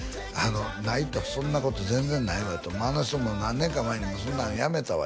「ない」と「そんなこと全然ないわ」と「あの人何年か前にそんなんやめたわ」